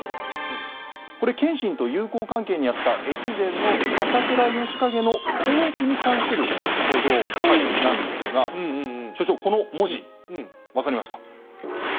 これ謙信と友好関係にあった越前の朝倉義景の交易に関する書状なんですが所長この文字分かりますか？